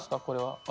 これは。